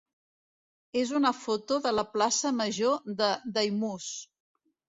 és una foto de la plaça major de Daimús.